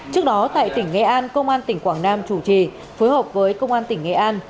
trước đó tại tỉnh nghệ an công an tỉnh quảng nam chủ trì phối hợp với công an tỉnh nghệ an